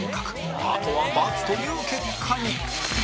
あとは×という結果に